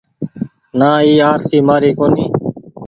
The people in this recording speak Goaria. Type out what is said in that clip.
نآ اي آرسي مآري ڪونيٚ ۔